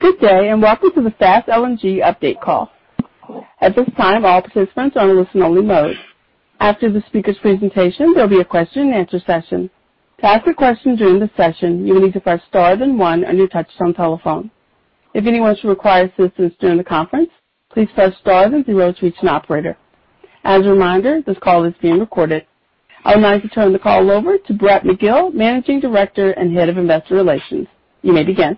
Good day, and welcome to the Fast LNG update call. At this time, all participants are on a listen-only mode. After the speaker's presentation, there will be a question answer session. To ask a question during the session, you will need to press star then one on your touch-tone telephone. If anyone should require assistance during the conference, please press star then zero to reach an operator. As a reminder, this call is being recorded. I would like to turn the call over to Brett Magill, Managing Director and Head of Investor Relations. You may begin.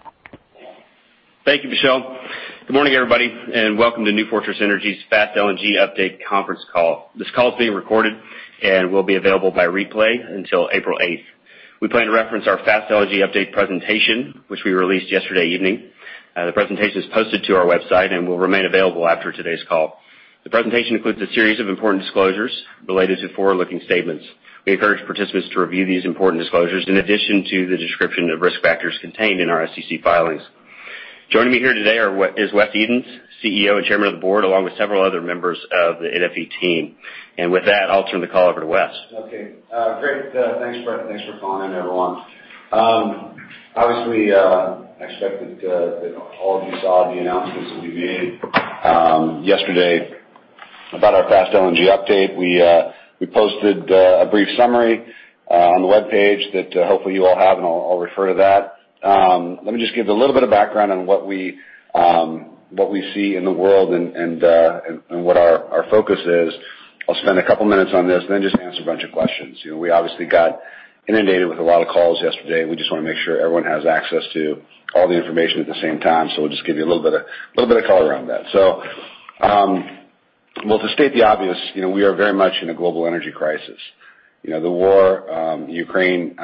Thank you, Michelle. Good morning, everybody, and welcome to New Fortress Energy's Fast LNG update conference call. This call is being recorded and will be available by replay until April 8th. We plan to reference our Fast LNG update presentation, which we released yesterday evening. The presentation is posted to our website and will remain available after today's call. The presentation includes a series of important disclosures related to forward-looking statements. We encourage participants to review these important disclosures in addition to the description of risk factors contained in our SEC filings. Joining me here today is Wes Edens, CEO and Chairman of the Board, along with several other members of the NFE team. And with that, I'll turn the call over to Wes. Okay. Great. Thanks, Brett. Thanks for calling in, everyone. Obviously, I expect that all of you saw the announcements that we made yesterday about our Fast LNG update. We posted a brief summary on the web page that hopefully you all have, and I'll refer to that. Let me just give a little bit of background on what we see in the world and what our focus is. I'll spend a couple of minutes on this and then just answer a bunch of questions. We obviously got inundated with a lot of calls yesterday. We just want to make sure everyone has access to all the information at the same time. So we'll just give you a little bit of color around that. So we'll just state the obvious. We are very much in a global energy crisis. The war in Ukraine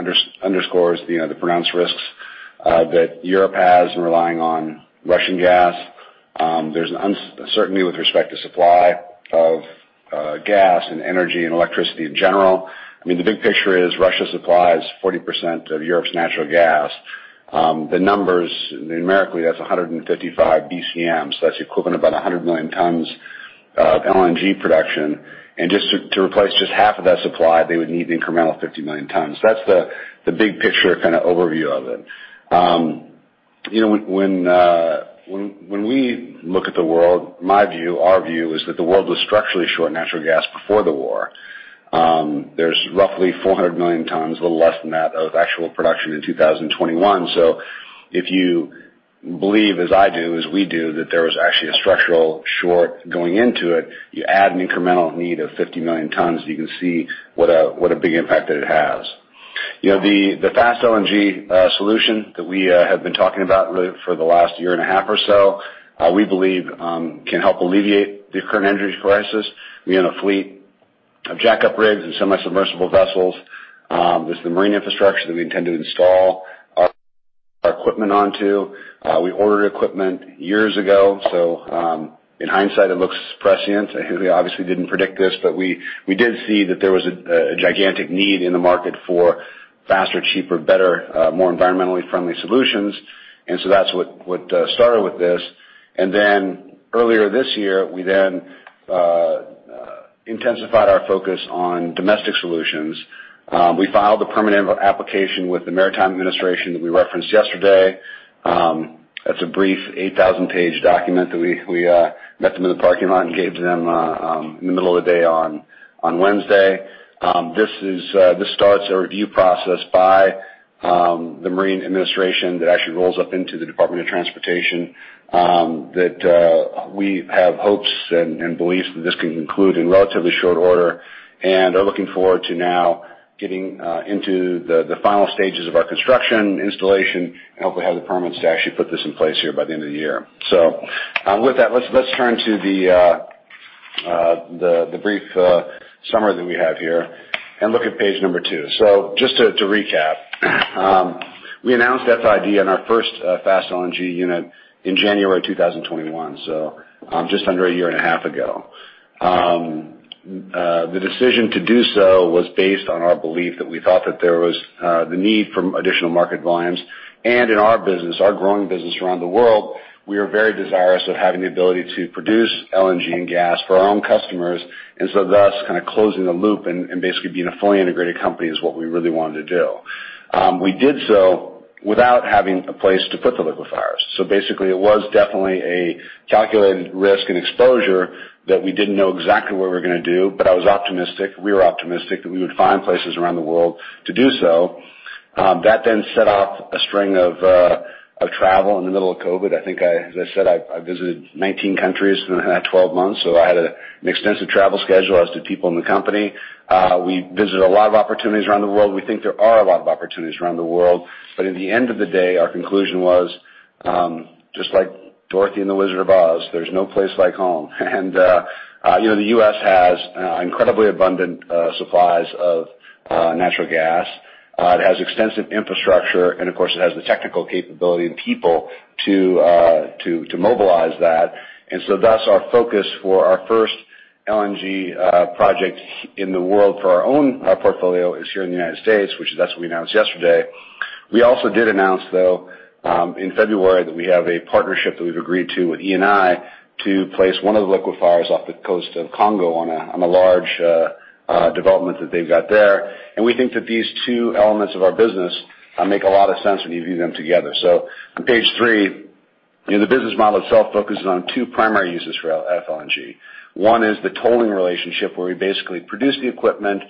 underscores the pronounced risks that Europe has in relying on Russian gas. There's uncertainty with respect to supply of gas and energy and electricity in general. I mean, the big picture is Russia supplies 40% of Europe's natural gas. The numbers, numerically, that's 155 BCMs. That's the equivalent of about 100 million tons of LNG production. And just to replace just half of that supply, they would need the incremental 50 million tons. That's the big picture kind of overview of it. When we look at the world, my view, our view, is that the world was structurally short on natural gas before the war. There's roughly 400 million tons, a little less than that, of actual production in 2021. So if you believe, as I do, as we do, that there was actually a structural short going into it, you add an incremental need of 50 million tons, you can see what a big impact that it has. The Fast LNG solution that we have been talking about for the last year and a half or so, we believe, can help alleviate the current energy crisis. We have a fleet of jack-up rigs and semi-submersible vessels. This is the marine infrastructure that we intend to install our equipment onto. We ordered equipment years ago. So in hindsight, it looks prescient. We obviously didn't predict this, but we did see that there was a gigantic need in the market for faster, cheaper, better, more environmentally friendly solutions. And so that's what started with this. And then earlier this year, we then intensified our focus on domestic solutions. We filed a permanent application with the Maritime Administration that we referenced yesterday. That's a brief 8,000-page document that we met them in the parking lot and gave to them in the middle of the day on Wednesday. This starts a review process by the Maritime Administration that actually rolls up into the Department of Transportation that we have hopes and beliefs that this can conclude in relatively short order and are looking forward to now getting into the final stages of our construction, installation, and hopefully have the permits to actually put this in place here by the end of the year. With that, let's turn to the brief summary that we have here and look at page number two. Just to recap, we announced FID on our first Fast LNG unit in January 2021, so just under a year and a half ago. The decision to do so was based on our belief that we thought that there was the need for additional market volumes, and in our business, our growing business around the world, we are very desirous of having the ability to produce LNG and gas for our own customers, and so thus, kind of closing the loop and basically being a fully integrated company is what we really wanted to do. We did so without having a place to put the liquefiers, so basically, it was definitely a calculated risk and exposure that we didn't know exactly what we were going to do, but I was optimistic. We were optimistic that we would find places around the world to do so. That then set off a string of travel in the middle of COVID. I think, as I said, I visited 19 countries in 12 months, so I had an extensive travel schedule. I was with people in the company. We visited a lot of opportunities around the world. We think there are a lot of opportunities around the world. But at the end of the day, our conclusion was, just like Dorothy and the Wizard of Oz, there's no place like home. And the U.S. has incredibly abundant supplies of natural gas. It has extensive infrastructure. And of course, it has the technical capability and people to mobilize that. And so thus, our focus for our first LNG project in the world for our own portfolio is here in the United States, which that's what we announced yesterday. We also did announce, though, in February that we have a partnership that we've agreed to with Eni to place one of the liquefiers off the coast of Congo on a large development that they've got there. And we think that these two elements of our business make a lot of sense when you view them together. So on page three, the business model itself focuses on two primary uses for FLNG. One is the tolling relationship where we basically produce the equipment,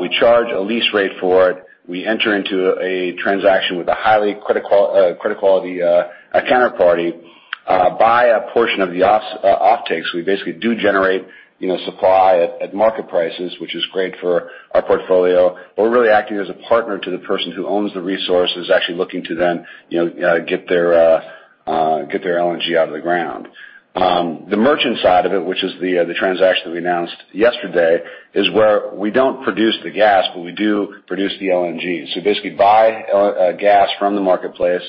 we charge a lease rate for it, we enter into a transaction with a highly critical counterparty, buy a portion of the offtakes. We basically do generate supply at market prices, which is great for our portfolio. But we're really acting as a partner to the person who owns the resources, actually looking to then get their LNG out of the ground. The merchant side of it, which is the transaction that we announced yesterday, is where we don't produce the gas, but we do produce the LNG. So basically, buy gas from the marketplace,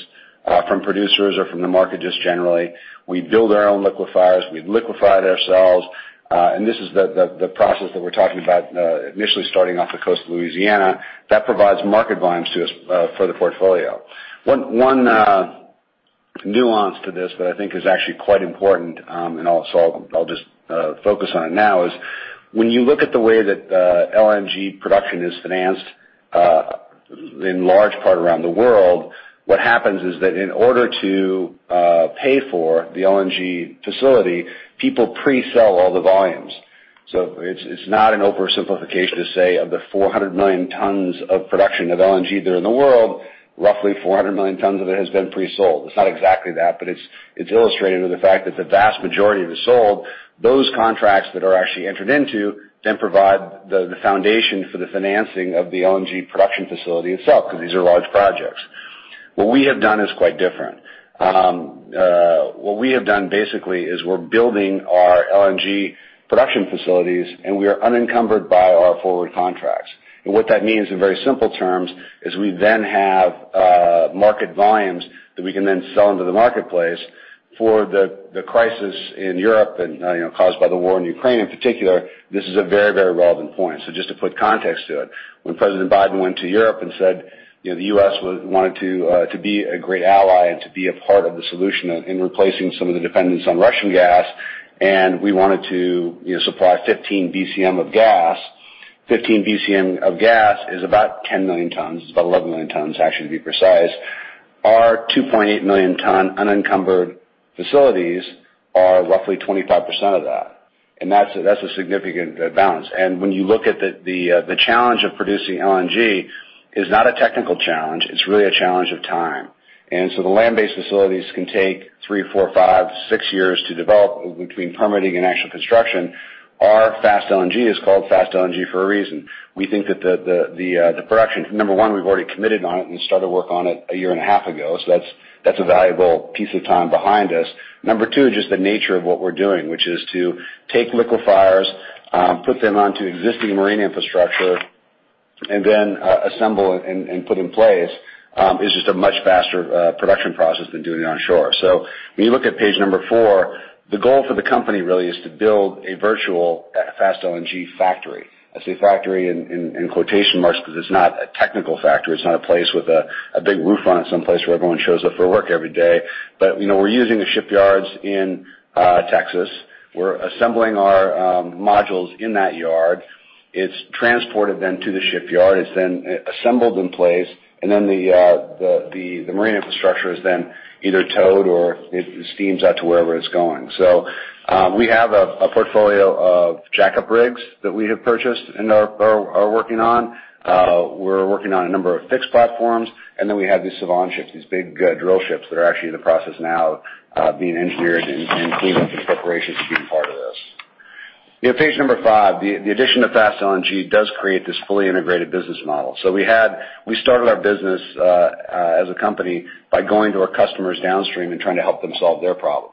from producers or from the market just generally. We build our own liquefiers. We liquefy it ourselves. And this is the process that we're talking about, initially starting off the coast of Louisiana. That provides market volumes for the portfolio. One nuance to this that I think is actually quite important, and so I'll just focus on it now, is when you look at the way that LNG production is financed in large part around the world, what happens is that in order to pay for the LNG facility, people pre-sell all the volumes. So it's not an oversimplification to say of the 400 million tons of production of LNG there in the world, roughly 400 million tons of it has been pre-sold. It's not exactly that, but it's illustrated with the fact that the vast majority of it sold, those contracts that are actually entered into then provide the foundation for the financing of the LNG production facility itself because these are large projects. What we have done is quite different. What we have done basically is we're building our LNG production facilities, and we are unencumbered by our forward contracts. And what that means in very simple terms is we then have market volumes that we can then sell into the marketplace for the crisis in Europe and caused by the war in Ukraine in particular. This is a very, very relevant point. So just to put context to it, when President Biden went to Europe and said the U.S. wanted to be a great ally and to be a part of the solution in replacing some of the dependence on Russian gas, and we wanted to supply 15 BCM of gas. 15 BCM of gas is about 10 million tons. It's about 11 million tons, actually, to be precise. Our 2.8 million-ton unencumbered facilities are roughly 25% of that. And that's a significant balance. And when you look at the challenge of producing LNG, it's not a technical challenge. It's really a challenge of time. And so the land-based facilities can take three, four, five, six years to develop between permitting and actual construction. Our Fast LNG is called Fast LNG for a reason. We think that the production, number one, we've already committed on it and started work on it a year and a half ago. So that's a valuable piece of time behind us. Number two, just the nature of what we're doing, which is to take liquefiers, put them onto existing marine infrastructure, and then assemble and put in place, is just a much faster production process than doing it on shore. So when you look at page number four, the goal for the company really is to build a virtual Fast LNG factory. I say factory in quotation marks because it's not a technical factory. It's not a place with a big roof on it someplace where everyone shows up for work every day. But we're using the shipyards in Texas. We're assembling our modules in that yard. It's transported then to the shipyard. It's then assembled in place. Then the marine infrastructure is then either towed or it steams out to wherever it's going. We have a portfolio of jack-up rigs that we have purchased and are working on. We're working on a number of fixed platforms. Then we have these Sevan ships, these big drill ships that are actually in the process now of being engineered and cleaned up in preparation for being part of this. Page number five, the addition of Fast LNG does create this fully integrated business model. We started our business as a company by going to our customers downstream and trying to help them solve their problems.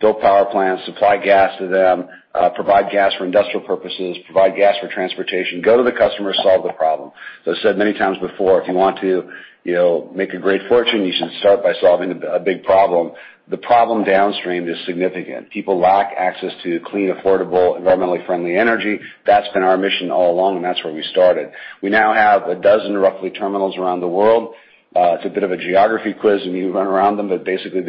Build power plants, supply gas to them, provide gas for industrial purposes, provide gas for transportation, go to the customer, solve the problem. As I said many times before, if you want to make a great fortune, you should start by solving a big problem. The problem downstream is significant. People lack access to clean, affordable, environmentally friendly energy. That's been our mission all along, and that's where we started. We now have a dozen roughly terminals around the world. It's a bit of a geography quiz when you run around them, but basically,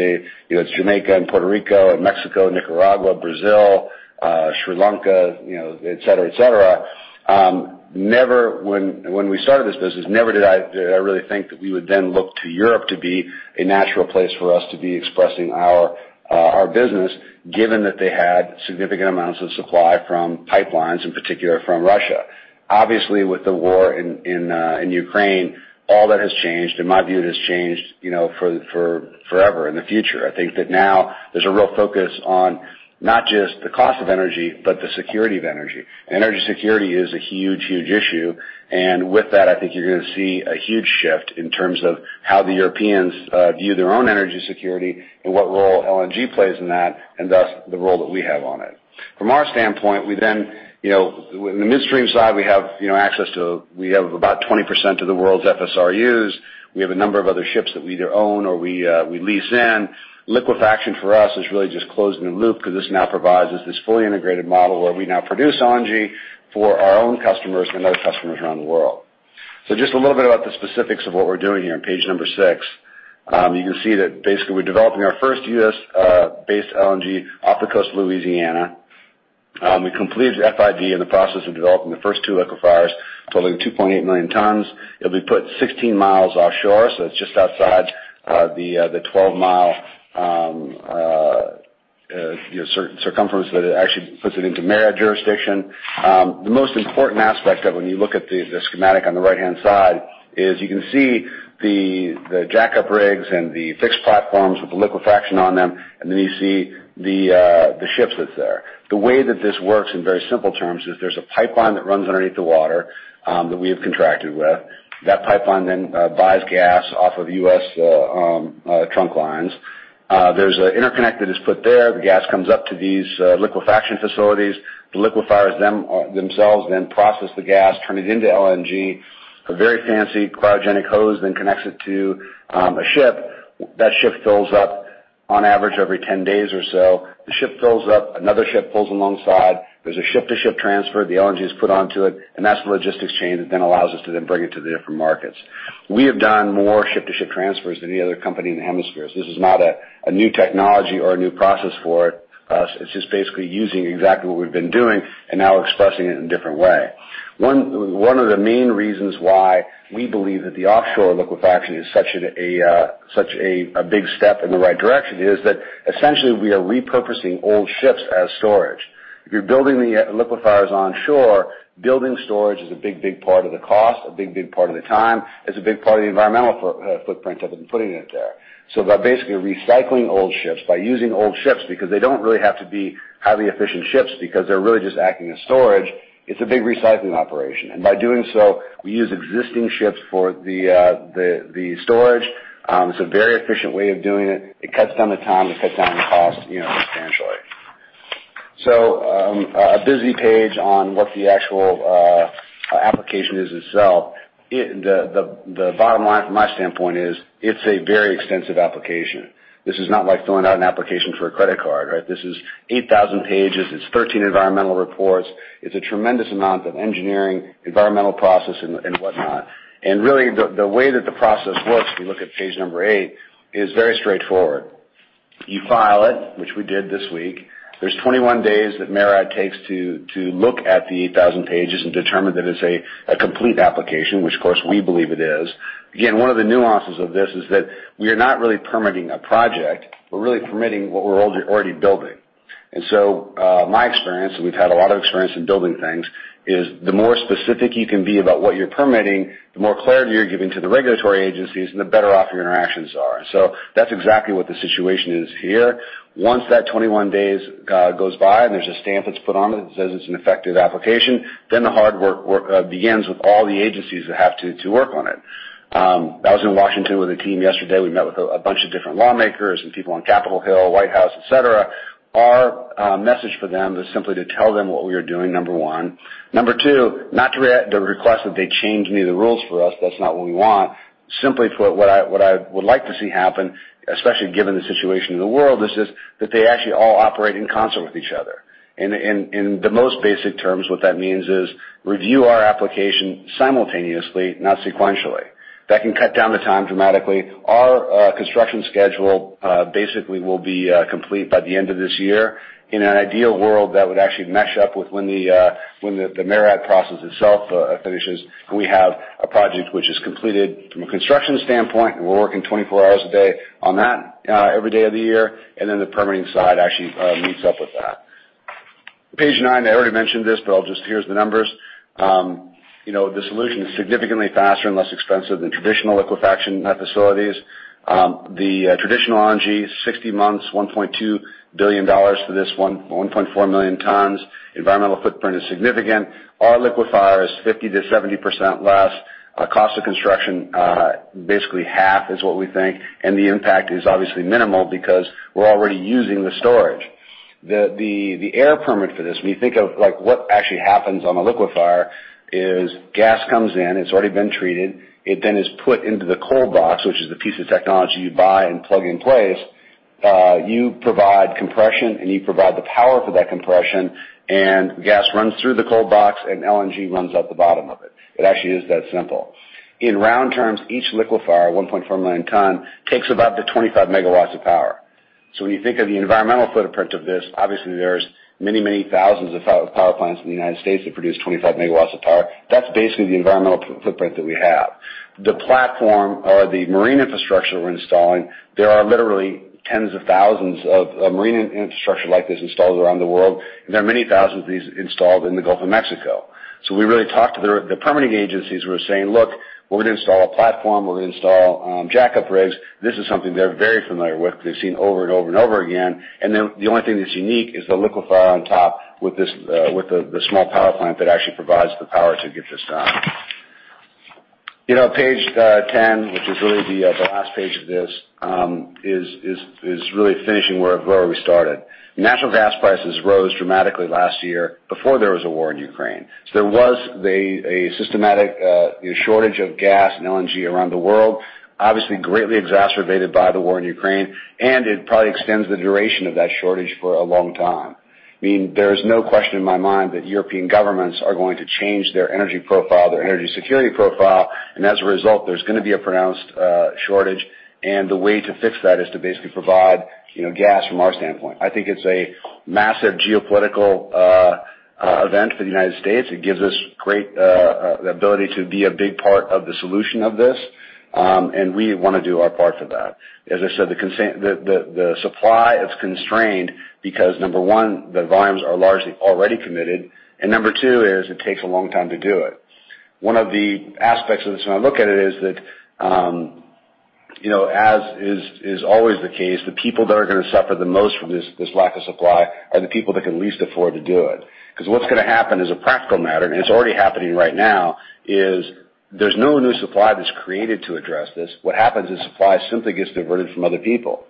it's Jamaica and Puerto Rico and Mexico and Nicaragua, Brazil, Sri Lanka, etc., etc. When we started this business, never did I really think that we would then look to Europe to be a natural place for us to be expressing our business, given that they had significant amounts of supply from pipelines, in particular from Russia. Obviously, with the war in Ukraine, all that has changed. In my view, it has changed forever in the future. I think that now there's a real focus on not just the cost of energy, but the security of energy. Energy security is a huge, huge issue. With that, I think you're going to see a huge shift in terms of how the Europeans view their own energy security and what role LNG plays in that, and thus the role that we have on it. From our standpoint, we then in the midstream side, we have access to about 20% of the world's FSRUs. We have a number of other ships that we either own or we lease in. Liquefaction for us is really just closing the loop because this now provides us this fully integrated model where we now produce LNG for our own customers and other customers around the world. So just a little bit about the specifics of what we're doing here on page number six. You can see that basically we're developing our first U.S.-based LNG off the coast of Louisiana. We completed FID in the process of developing the first two liquefiers, totaling 2.8 million tons. It'll be put 16 miles offshore. So it's just outside the 12-mile circumference that actually puts it into MARAD jurisdiction. The most important aspect of it, when you look at the schematic on the right-hand side, is you can see the jack-up rigs and the fixed platforms with the liquefaction on them. And then you see the ships that's there. The way that this works in very simple terms is there's a pipeline that runs underneath the water that we have contracted with. That pipeline then buys gas off of U.S. trunk lines. There's an interconnect that is put there. The gas comes up to these liquefaction facilities. The liquefiers themselves then process the gas, turn it into LNG. A very fancy cryogenic hose then connects it to a ship. That ship fills up on average every 10 days or so. The ship fills up. Another ship pulls alongside. There's a ship-to-ship transfer. The LNG is put onto it, and that's the logistics chain that then allows us to then bring it to the different markets. We have done more ship-to-ship transfers than any other company in the hemisphere, so this is not a new technology or a new process for it. It's just basically using exactly what we've been doing and now expressing it in a different way. One of the main reasons why we believe that the offshore liquefaction is such a big step in the right direction is that essentially we are repurposing old ships as storage. If you're building the liquefiers on shore, building storage is a big, big part of the cost, a big, big part of the time. It's a big part of the environmental footprint of it and putting it there. So by basically recycling old ships, by using old ships because they don't really have to be highly efficient ships because they're really just acting as storage, it's a big recycling operation. And by doing so, we use existing ships for the storage. It's a very efficient way of doing it. It cuts down the time. It cuts down the cost substantially. So, about the application itself. The bottom line from my standpoint is it's a very extensive application. This is not like filling out an application for a credit card, right? This is 8,000 pages. It's 13 environmental reports. It's a tremendous amount of engineering, environmental process, and whatnot, and really, the way that the process works, if you look at page number eight, is very straightforward. You file it, which we did this week. There's 21 days that MARAD takes to look at the 8,000 pages and determine that it's a complete application, which, of course, we believe it is. Again, one of the nuances of this is that we are not really permitting a project. We're really permitting what we're already building, and so my experience, and we've had a lot of experience in building things, is the more specific you can be about what you're permitting, the more clarity you're giving to the regulatory agencies, and the better off your interactions are, and so that's exactly what the situation is here. Once that 21 days goes by and there's a stamp that's put on it that says it's an effective application, then the hard work begins with all the agencies that have to work on it. I was in Washington with a team yesterday. We met with a bunch of different lawmakers and people on Capitol Hill, White House, etc. Our message for them was simply to tell them what we were doing, number one. Number two, not to request that they change any of the rules for us. That's not what we want. Simply put, what I would like to see happen, especially given the situation of the world, is that they actually all operate in concert with each other. In the most basic terms, what that means is review our application simultaneously, not sequentially. That can cut down the time dramatically. Our construction schedule basically will be complete by the end of this year. In an ideal world, that would actually mesh up with when the MARAD process itself finishes, and we have a project which is completed from a construction standpoint, and we're working 24 hours a day on that every day of the year, and then the permitting side actually meets up with that. Page nine, I already mentioned this, but I'll just, here's the numbers. The solution is significantly faster and less expensive than traditional liquefaction facilities. The traditional LNG, 60 months, $1.2 billion for this 1.4 million tons. Environmental footprint is significant. Our liquefier is 50%-70% less. Cost of construction, basically half is what we think, and the impact is obviously minimal because we're already using the storage. The air permit for this, when you think of what actually happens on a liquefier, is gas comes in. It's already been treated. It then is put into the cold box, which is the piece of technology you buy and plug in place. You provide compression, and you provide the power for that compression. And gas runs through the cold box, and LNG runs out the bottom of it. It actually is that simple. In round terms, each liquefier, 1.4 million tons, takes about 25 MW of power. So when you think of the environmental footprint of this, obviously there's many, many thousands of power plants in the United States that produce 25 MW of power. That's basically the environmental footprint that we have. The platform or the marine infrastructure we're installing, there are literally tens of thousands of marine infrastructure like this installed around the world. There are many thousands of these installed in the Gulf of Mexico. So we really talked to the permitting agencies. We were saying, "Look, we're going to install a platform. We're going to install jack-up rigs." This is something they're very familiar with. They've seen over and over and over again. And then the only thing that's unique is the liquefier on top with the small power plant that actually provides the power to get this done. Page 10, which is really the last page of this, is really finishing where we started. Natural gas prices rose dramatically last year before there was a war in Ukraine. So there was a systemic shortage of gas and LNG around the world, obviously greatly exacerbated by the war in Ukraine. And it probably extends the duration of that shortage for a long time. I mean, there is no question in my mind that European governments are going to change their energy profile, their energy security profile. And as a result, there's going to be a pronounced shortage. And the way to fix that is to basically provide gas from our standpoint. I think it's a massive geopolitical event for the United States. It gives us great ability to be a big part of the solution of this. And we want to do our part for that. As I said, the supply is constrained because, number one, the volumes are largely already committed. And number two is it takes a long time to do it. One of the aspects of this when I look at it is that, as is always the case, the people that are going to suffer the most from this lack of supply are the people that can least afford to do it. Because what's going to happen is a practical matter, and it's already happening right now, is there's no new supply that's created to address this. What happens is supply simply gets diverted from other people,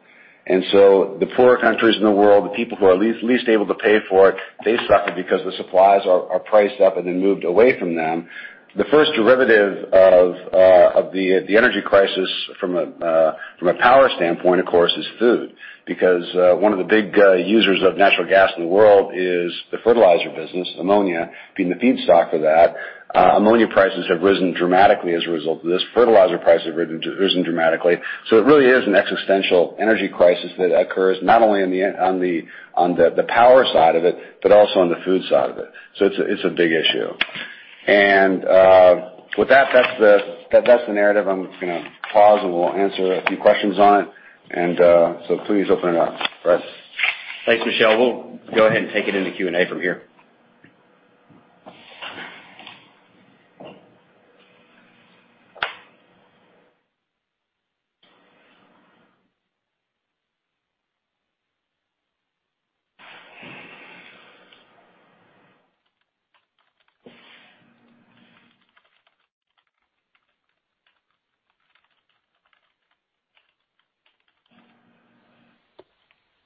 and so the poorer countries in the world, the people who are least able to pay for it, they suffer because the supplies are priced up and then moved away from them. The first derivative of the energy crisis from a power standpoint, of course, is food. Because one of the big users of natural gas in the world is the fertilizer business, ammonia, being the feedstock for that. Ammonia prices have risen dramatically as a result of this. Fertilizer prices have risen dramatically. So it really is an existential energy crisis that occurs not only on the power side of it, but also on the food side of it. So it's a big issue. And with that, that's the narrative. I'm going to pause and we'll answer a few questions on it. And so please open it up for us. Thanks, Michelle. We'll go ahead and take it into Q&A from here.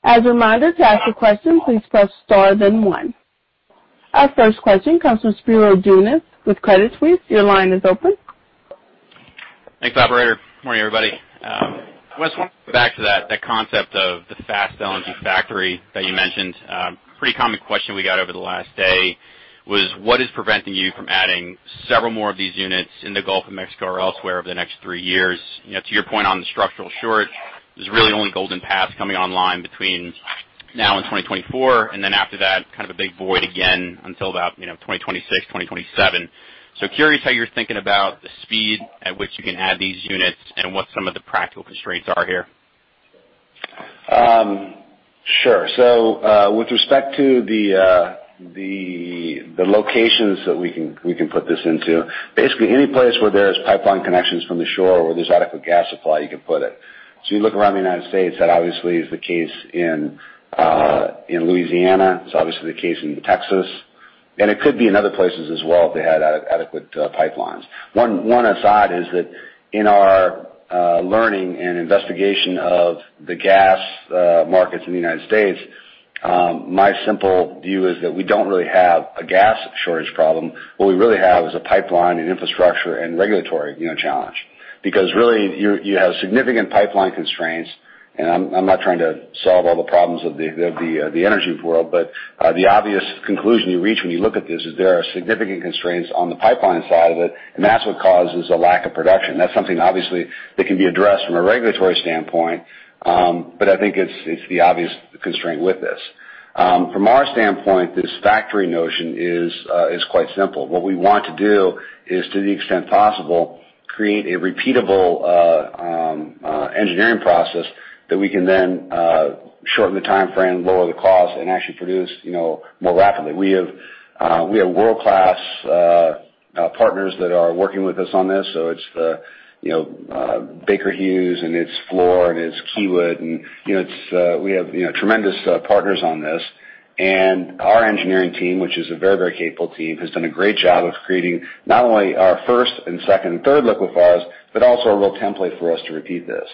As a reminder to ask a question, please press star then one. Our first question comes from Spiro Dounis with Credit Suisse. Your line is open. Thanks, operator. Good morning, everybody. Wesley, back to that concept of the Fast LNG factory that you mentioned. Pretty common question we got over the last day was, what is preventing you from adding several more of these units in the Gulf of Mexico or elsewhere over the next three years? To your point on the structural shortage, there's really only Golden Pass coming online between now and 2024. And then after that, kind of a big void again until about 2026, 2027. So curious how you're thinking about the speed at which you can add these units and what some of the practical constraints are here. Sure. So with respect to the locations that we can put this into, basically any place where there are pipeline connections from the shore where there's adequate gas supply, you can put it. So you look around the United States, that obviously is the case in Louisiana. It's obviously the case in Texas. And it could be in other places as well if they had adequate pipelines. One aside is that in our learning and investigation of the gas markets in the United States, my simple view is that we don't really have a gas shortage problem. What we really have is a pipeline and infrastructure and regulatory challenge. Because really, you have significant pipeline constraints. And I'm not trying to solve all the problems of the energy world, but the obvious conclusion you reach when you look at this is there are significant constraints on the pipeline side of it. And that's what causes a lack of production. That's something obviously that can be addressed from a regulatory standpoint. But I think it's the obvious constraint with this. From our standpoint, this factory notion is quite simple. What we want to do is, to the extent possible, create a repeatable engineering process that we can then shorten the timeframe, lower the cost, and actually produce more rapidly. We have world-class partners that are working with us on this. So it's Baker Hughes, and it's Fluor, and it's Kiewit. And we have tremendous partners on this. Our engineering team, which is a very, very capable team, has done a great job of creating not only our first and second and third liquefiers, but also a real template for us to repeat this.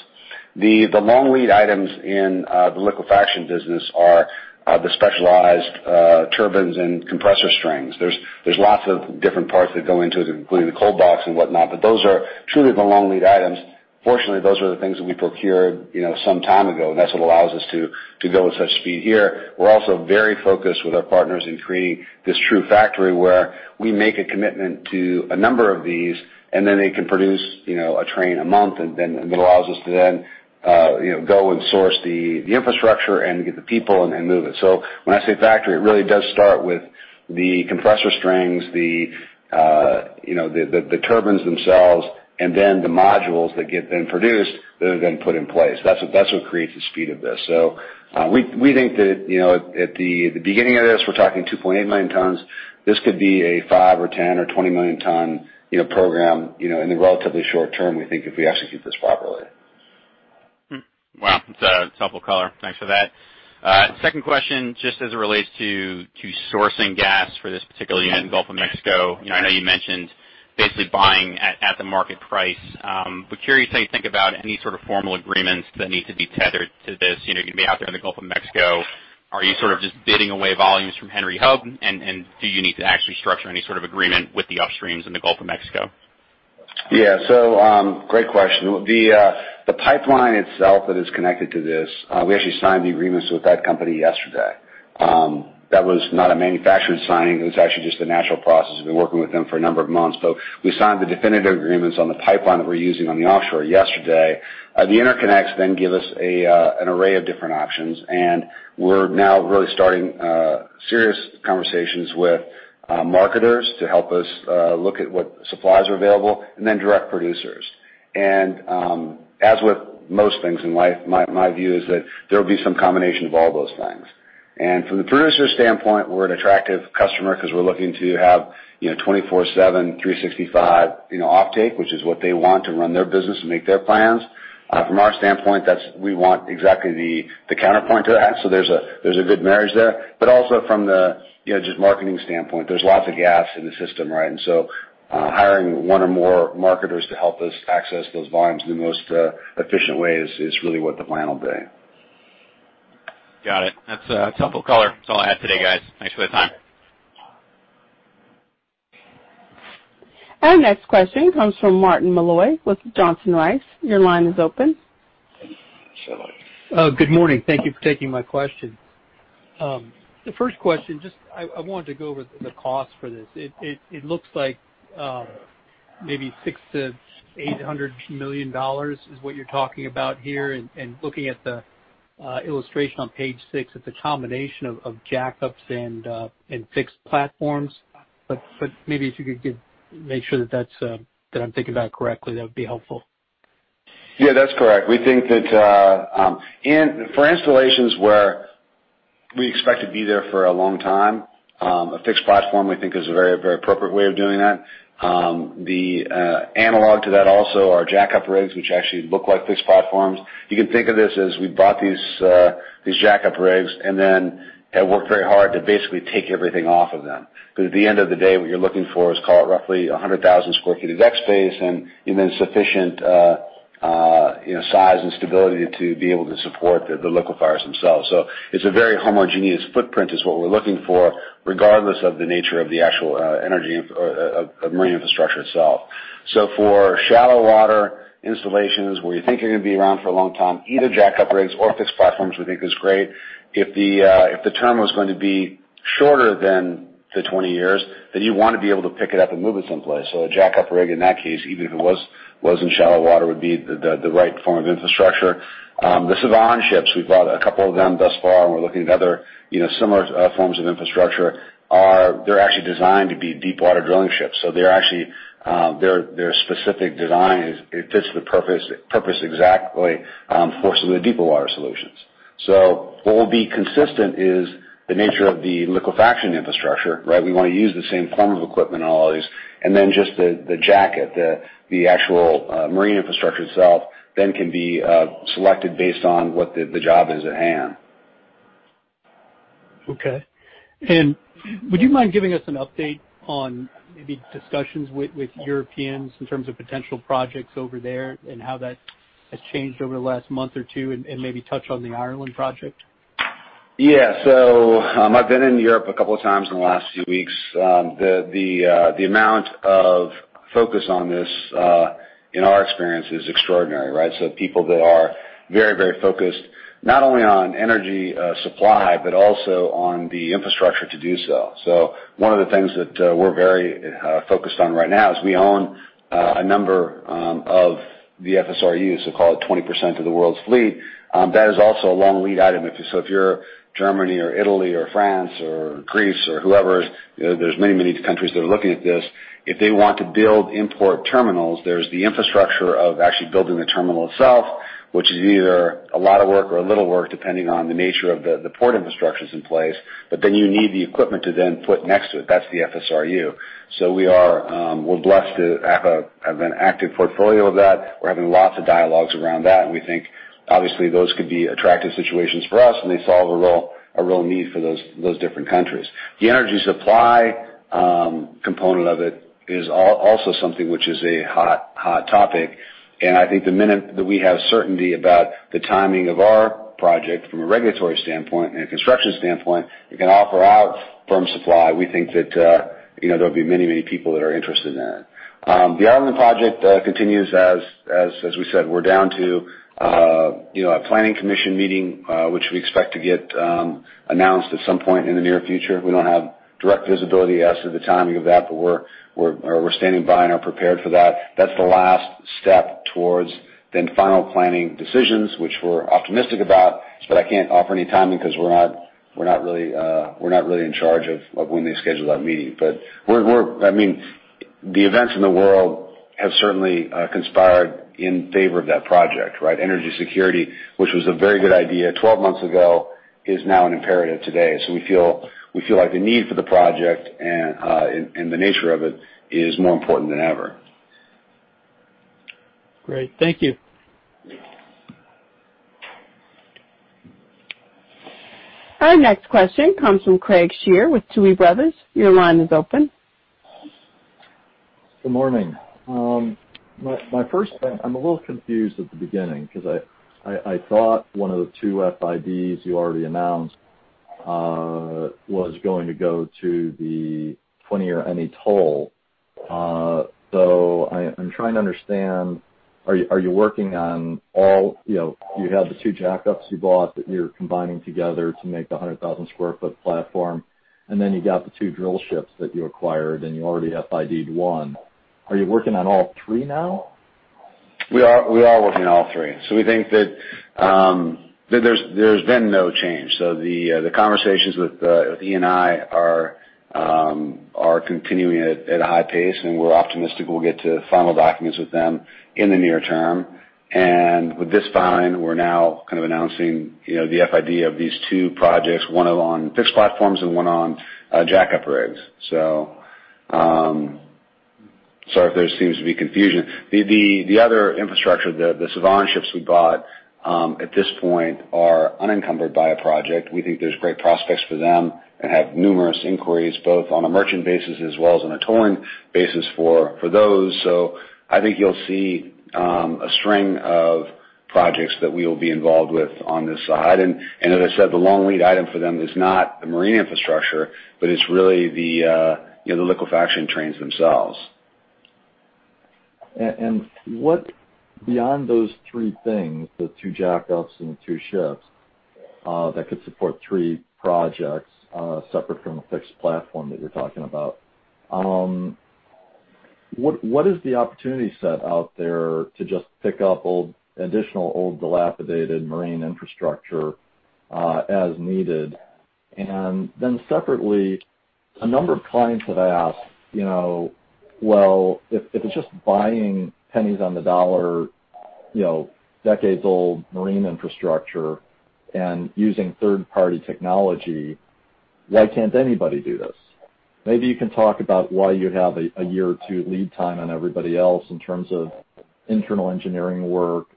The long lead items in the liquefaction business are the specialized turbines and compressor strings. There's lots of different parts that go into it, including the cold box and whatnot. Those are truly the long lead items. Fortunately, those are the things that we procured some time ago. That's what allows us to go at such speed here. We're also very focused with our partners in creating this true factory where we make a commitment to a number of these, and then they can produce a train a month. Then it allows us to then go and source the infrastructure and get the people and move it. So when I say factory, it really does start with the compressor strings, the turbines themselves, and then the modules that get then produced that are then put in place. That's what creates the speed of this. So we think that at the beginning of this, we're talking 2.8 million tons. This could be a five or 10 or 20 million ton program in the relatively short term, we think, if we execute this properly. Wow. That's a helpful color. Thanks for that. Second question, just as it relates to sourcing gas for this particular unit in Gulf of Mexico. I know you mentioned basically buying at the market price. But curious how you think about any sort of formal agreements that need to be tethered to this. You're going to be out there in the Gulf of Mexico. Are you sort of just bidding away volumes from Henry Hub? And do you need to actually structure any sort of agreement with the upstreams in the Gulf of Mexico? Yeah. So great question. The pipeline itself that is connected to this, we actually signed the agreements with that company yesterday. That was not a manufacturer signing. It was actually just a natural process. We've been working with them for a number of months. But we signed the definitive agreements on the pipeline that we're using on the offshore yesterday. The interconnects then give us an array of different options. And we're now really starting serious conversations with marketers to help us look at what supplies are available, and then direct producers. And as with most things in life, my view is that there will be some combination of all those things. And from the producer's standpoint, we're an attractive customer because we're looking to have 24/7, 365 offtake, which is what they want to run their business and make their plans. From our standpoint, we want exactly the counterpoint to that. So there's a good marriage there. But also from the just marketing standpoint, there's lots of gas in the system, right? And so hiring one or more marketers to help us access those volumes in the most efficient way is really what the plan will be. Got it. That's a helpful color. That's all I had today, guys. Thanks for the time. Our next question comes from Martin Malloy with Johnson Rice. Your line is open. Good morning. Thank you for taking my question. The first question, just I wanted to go over the cost for this. It looks like maybe $600 million-$800 million is what you're talking about here. And looking at the illustration on page six, it's a combination of jack-ups and fixed platforms. But maybe if you could make sure that I'm thinking about it correctly, that would be helpful. Yeah, that's correct. We think that for installations where we expect to be there for a long time, a fixed platform we think is a very, very appropriate way of doing that. The analog to that also are jack-up rigs, which actually look like fixed platforms. You can think of this as we brought these jack-up rigs and then have worked very hard to basically take everything off of them. Because at the end of the day, what you're looking for is, call it roughly 100,000 sq ft of deck space, and then sufficient size and stability to be able to support the liquefiers themselves. So it's a very homogeneous footprint is what we're looking for, regardless of the nature of the actual energy of marine infrastructure itself. For shallow water installations where you think you're going to be around for a long time, either jack-up rigs or fixed platforms we think is great. If the term was going to be shorter than the 20 years, then you want to be able to pick it up and move it someplace. So a jack-up rig in that case, even if it was in shallow water, would be the right form of infrastructure. The Sevan ships, we've brought a couple of them thus far, and we're looking at other similar forms of infrastructure. They're actually designed to be deep water drilling ships. So they're actually their specific design, it fits the purpose exactly for some of the deeper water solutions. So what will be consistent is the nature of the liquefaction infrastructure, right? We want to use the same form of equipment on all these. and then just the jacket, the actual marine infrastructure itself, then can be selected based on what the job is at hand. Okay. And would you mind giving us an update on maybe discussions with Europeans in terms of potential projects over there and how that has changed over the last month or two, and maybe touch on the Ireland project? Yeah. So I've been in Europe a couple of times in the last few weeks. The amount of focus on this, in our experience, is extraordinary, right? So people that are very, very focused not only on energy supply, but also on the infrastructure to do so. So one of the things that we're very focused on right now is we own a number of the FSRUs, so call it 20% of the world's fleet. That is also a long lead item. So if you're Germany or Italy or France or Greece or whoever, there's many, many countries that are looking at this. If they want to build import terminals, there's the infrastructure of actually building the terminal itself, which is either a lot of work or a little work, depending on the nature of the port infrastructure that's in place. But then you need the equipment to then put next to it. That's the FSRU. So we're blessed to have an active portfolio of that. We're having lots of dialogues around that. And we think, obviously, those could be attractive situations for us. And they solve a real need for those different countries. The energy supply component of it is also something which is a hot topic. And I think the minute that we have certainty about the timing of our project from a regulatory standpoint and a construction standpoint, we can offer out firm supply. We think that there'll be many, many people that are interested in it. The Ireland project continues, as we said, we're down to a planning commission meeting, which we expect to get announced at some point in the near future. We don't have direct visibility as to the timing of that, but we're standing by and are prepared for that. That's the last step towards the final planning decisions, which we're optimistic about. But I can't offer any timing because we're not really in charge of when they schedule that meeting. But I mean, the events in the world have certainly conspired in favor of that project, right? Energy security, which was a very good idea 12 months ago, is now an imperative today. So we feel like the need for the project and the nature of it is more important than ever. Great. Thank you. Our next question comes from Craig Shere with Tuohy Brothers. Your line is open. Good morning. My first thing, I'm a little confused at the beginning because I thought one of the two FIDs you already announced was going to go to the 20-year annual toll. So I'm trying to understand, are you working on all you had the two jack-ups you bought that you're combining together to make the 100,000 sq ft platform. And then you got the two drill ships that you acquired, and you already FID'd one. Are you working on all three now? We are working on all three. So we think that there's been no change. So the conversations with Eni are continuing at a high pace. And we're optimistic we'll get to final documents with them in the near term. And with this FID, we're now kind of announcing the FID of these two projects, one on fixed platforms and one on jack-up rigs. So sorry if there seems to be confusion. The other infrastructure, the Sevan ships we bought, at this point are unencumbered by a project. We think there's great prospects for them and have numerous inquiries, both on a merchant basis as well as on a towing basis for those. So I think you'll see a string of projects that we will be involved with on this side. As I said, the long lead item for them is not the marine infrastructure, but it's really the liquefaction trains themselves. And beyond those three things, the two jack-ups and the two ships that could support three projects separate from the fixed platform that you're talking about, what is the opportunity set out there to just pick up additional old dilapidated marine infrastructure as needed? And then separately, a number of clients have asked, "Well, if it's just buying pennies on the dollar, decades-old marine infrastructure and using third-party technology, why can't anybody do this?" Maybe you can talk about why you have a year or two lead time on everybody else in terms of internal engineering work,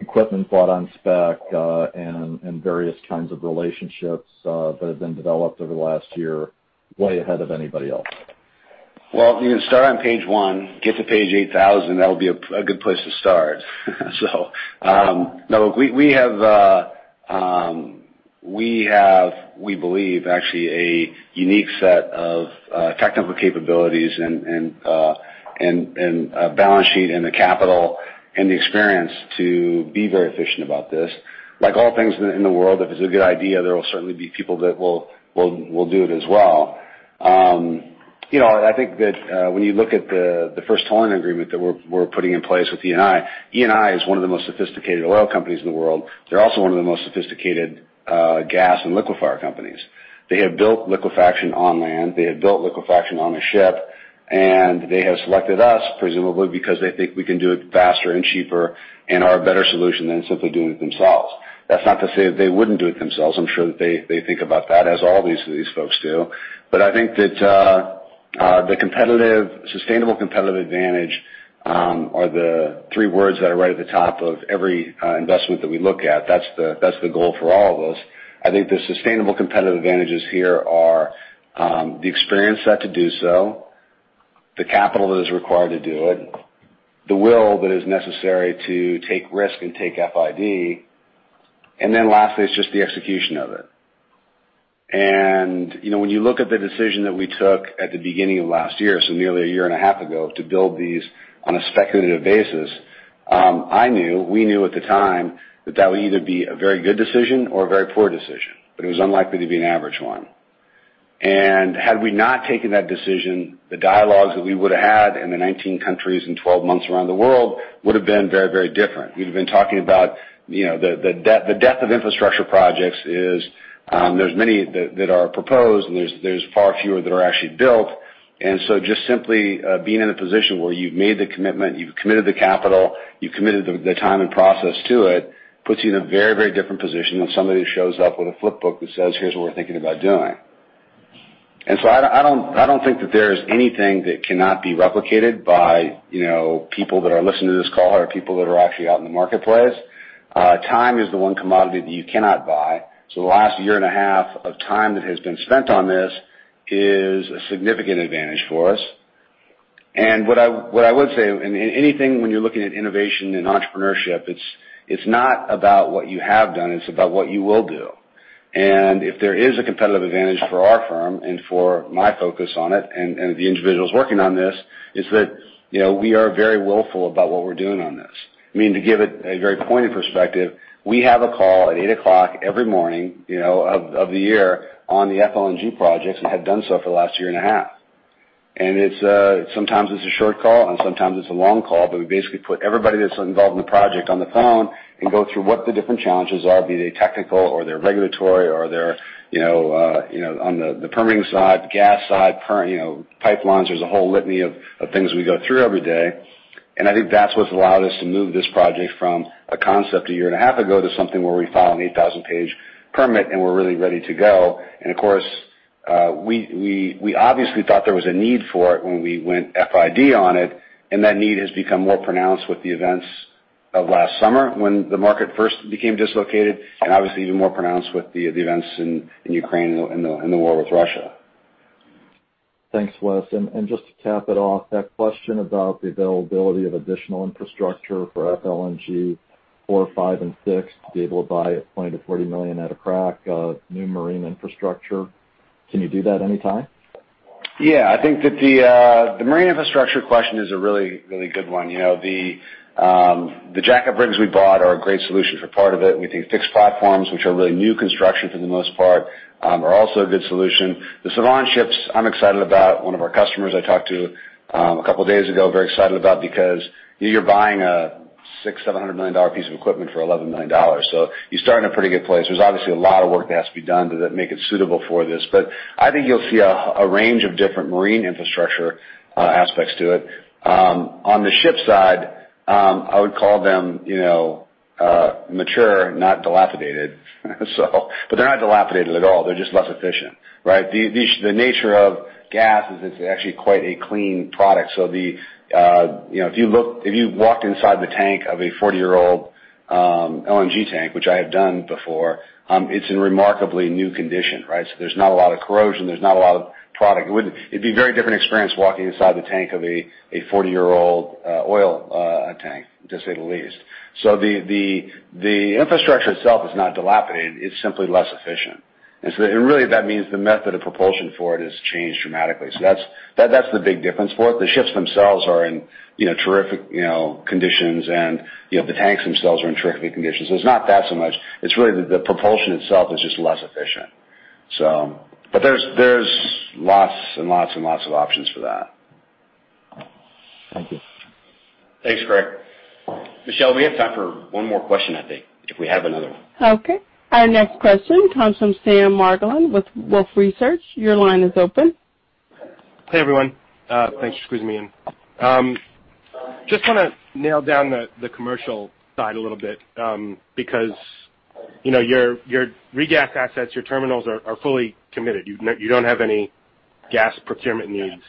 equipment bought on spec, and various kinds of relationships that have been developed over the last year way ahead of anybody else. You can start on page one, get to page 8,000. That'll be a good place to start. No, we have, we believe, actually a unique set of technical capabilities and balance sheet and the capital and the experience to be very efficient about this. Like all things in the world, if it's a good idea, there will certainly be people that will do it as well. I think that when you look at the first towing agreement that we're putting in place with Eni, Eni is one of the most sophisticated oil companies in the world. They're also one of the most sophisticated gas and liquefaction companies. They have built liquefaction on land. They have built liquefaction on a ship. And they have selected us, presumably because they think we can do it faster and cheaper and are a better solution than simply doing it themselves. That's not to say that they wouldn't do it themselves. I'm sure that they think about that, as all these folks do. But I think that the sustainable competitive advantages are the three words that are right at the top of every investment that we look at. That's the goal for all of us. I think the sustainable competitive advantages here are the experience set to do so, the capital that is required to do it, the will that is necessary to take risk and take FID, and then lastly, it's just the execution of it and when you look at the decision that we took at the beginning of last year, so nearly a year and a half ago, to build these on a speculative basis, I knew, we knew at the time that that would either be a very good decision or a very poor decision. But it was unlikely to be an average one. And had we not taken that decision, the dialogues that we would have had in the 19 countries and 12 months around the world would have been very, very different. We'd have been talking about the death of infrastructure projects. There's many that are proposed, and there's far fewer that are actually built. And so just simply being in a position where you've made the commitment, you've committed the capital, you've committed the time and process to it, puts you in a very, very different position than somebody who shows up with a flip book that says, "Here's what we're thinking about doing." And so I don't think that there is anything that cannot be replicated by people that are listening to this call or people that are actually out in the marketplace. Time is the one commodity that you cannot buy. So the last year and a half of time that has been spent on this is a significant advantage for us. And what I would say, and anything when you're looking at innovation and entrepreneurship, it's not about what you have done. It's about what you will do. And if there is a competitive advantage for our firm and for my focus on it and the individuals working on this, it's that we are very willful about what we're doing on this. I mean, to give it a very pointed perspective, we have a call at 8:00 A.M. every morning of the year on the FLNG projects and have done so for the last year and a half. Sometimes it's a short call, and sometimes it's a long call, but we basically put everybody that's involved in the project on the phone and go through what the different challenges are, be they technical or they're regulatory or they're on the permitting side, gas side, pipelines. There's a whole litany of things we go through every day. I think that's what's allowed us to move this project from a concept a year and a half ago to something where we file an 8,000-page permit, and we're really ready to go. Of course, we obviously thought there was a need for it when we went FID on it. That need has become more pronounced with the events of last summer when the market first became dislocated, and obviously even more pronounced with the events in Ukraine and the war with Russia. Thanks, Wes. And just to cap it off, that question about the availability of additional infrastructure for FLNG 4, 5, and 6 to be able to buy 20million-40 million at a crack of new marine infrastructure, can you do that anytime? Yeah. I think that the marine infrastructure question is a really, really good one. The jack-up rigs we bought are a great solution for part of it. We think fixed platforms, which are really new construction for the most part, are also a good solution. The Sevan ships, I'm excited about. One of our customers I talked to a couple of days ago was very excited about because you're buying a $670 million piece of equipment for $11 million. So you start in a pretty good place. There's obviously a lot of work that has to be done to make it suitable for this. But I think you'll see a range of different marine infrastructure aspects to it. On the ship side, I would call them mature, not dilapidated. But they're not dilapidated at all. They're just less efficient, right? The nature of gas is it's actually quite a clean product, so if you walked inside the tank of a 40-year-old LNG tank, which I have done before, it's in remarkably new condition, right, so there's not a lot of corrosion. There's not a lot of product. It'd be a very different experience walking inside the tank of a 40-year-old oil tank, to say the least, so the infrastructure itself is not dilapidated. It's simply less efficient, and really, that means the method of propulsion for it has changed dramatically, so that's the big difference for it. The ships themselves are in terrific conditions, and the tanks themselves are in terrific conditions, so it's not that so much. It's really that the propulsion itself is just less efficient, but there's lots and lots and lots of options for that. Thank you. Thanks, Craig. Michelle, we have time for one more question, I think, if we have another one. Okay. Our next question comes from Sam Margolin with Wolfe Research. Your line is open. Hey, everyone. Thanks for squeezing me in. Just want to nail down the commercial side a little bit because your re-gas assets, your terminals are fully committed. You don't have any gas procurement needs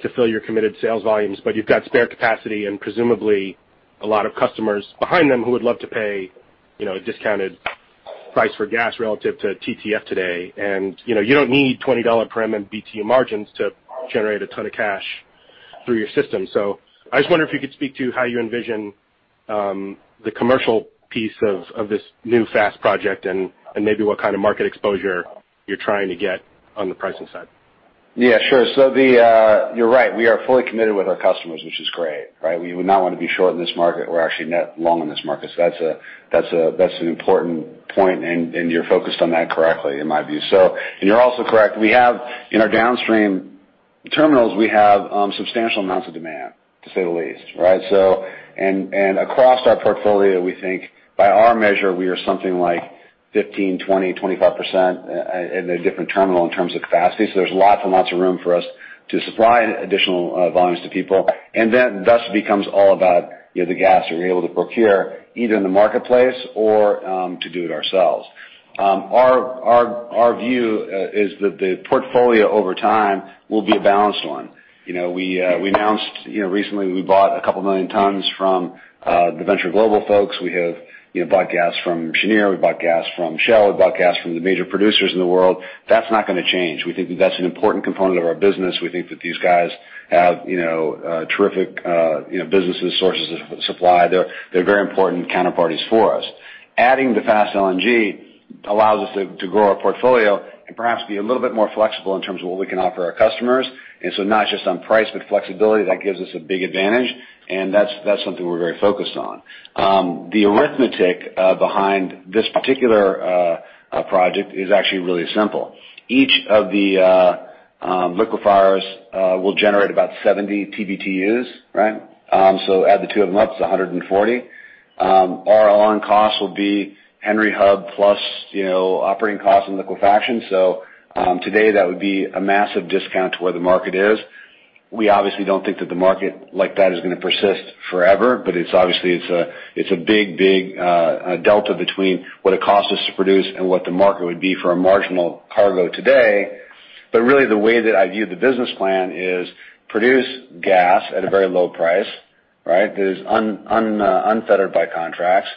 to fill your committed sales volumes, but you've got spare capacity and presumably a lot of customers behind them who would love to pay a discounted price for gas relative to TTF today. And you don't need $20 per BTU margins to generate a ton of cash through your system. So I just wonder if you could speak to how you envision the commercial piece of this new Fast project and maybe what kind of market exposure you're trying to get on the pricing side. Yeah, sure. So you're right. We are fully committed with our customers, which is great, right? We would not want to be short in this market. We're actually net long in this market. So that's an important point, and you're focused on that correctly, in my view. And you're also correct. In our downstream terminals, we have substantial amounts of demand, to say the least, right? And across our portfolio, we think by our measure, we are something like 15, 20, 25% in a different terminal in terms of capacity. So there's lots and lots of room for us to supply additional volumes to people. And then thus it becomes all about the gas that we're able to procure either in the marketplace or to do it ourselves. Our view is that the portfolio over time will be a balanced one. We announced recently we bought a couple million tons from the Venture Global folks. We have bought gas from Cheniere. We bought gas from Shell. We bought gas from the major producers in the world. That's not going to change. We think that that's an important component of our business. We think that these guys have terrific businesses, sources of supply. They're very important counterparties for us. Adding the Fast LNG allows us to grow our portfolio and perhaps be a little bit more flexible in terms of what we can offer our customers. And so not just on price, but flexibility, that gives us a big advantage. And that's something we're very focused on. The arithmetic behind this particular project is actually really simple. Each of the liquefiers will generate about 70 TBtus, right? So add the two of them up, it's 140. Our on-cost will be Henry Hub plus operating costs and liquefaction. So today, that would be a massive discount to where the market is. We obviously don't think that the market like that is going to persist forever, but obviously, it's a big, big delta between what it costs us to produce and what the market would be for a marginal cargo today. But really, the way that I view the business plan is produce gas at a very low price, right? That is unfettered by contracts,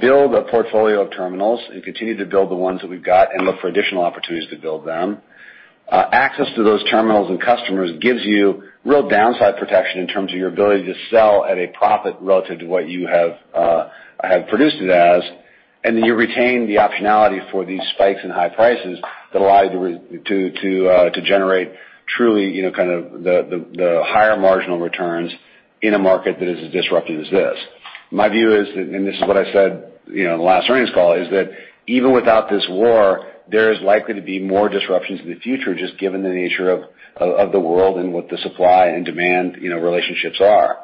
build a portfolio of terminals, and continue to build the ones that we've got and look for additional opportunities to build them. Access to those terminals and customers gives you real downside protection in terms of your ability to sell at a profit relative to what you have produced it as. Then you retain the optionality for these spikes and high prices that allow you to generate truly kind of the higher marginal returns in a market that is as disruptive as this. My view is, and this is what I said in the last earnings call, is that even without this war, there is likely to be more disruptions in the future just given the nature of the world and what the supply and demand relationships are.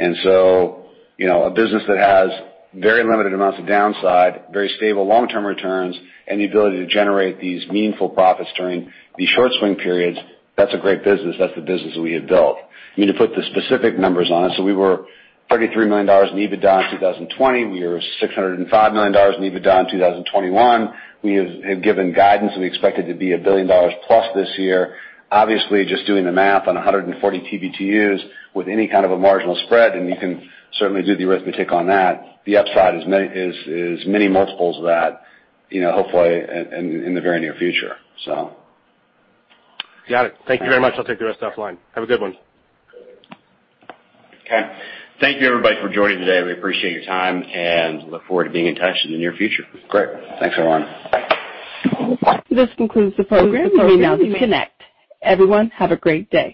A business that has very limited amounts of downside, very stable long-term returns, and the ability to generate these meaningful profits during these short swing periods, that's a great business. That's the business that we have built. I mean, to put the specific numbers on it, so we were $33 million in EBITDA in 2020. We were $605 million in EBITDA in 2021. We have given guidance that we expect it to be $1 billion plus this year. Obviously, just doing the math on 140 TBtus with any kind of a marginal spread, and you can certainly do the arithmetic on that, the upside is many multiples of that, hopefully in the very near future, so. Got it. Thank you very much. I'll take the rest offline. Have a good one. Okay. Thank you, everybody, for joining today. We appreciate your time and look forward to being in touch in the near future. Great. Thanks, everyone. This concludes the program. You may now disconnect. Everyone, have a great day.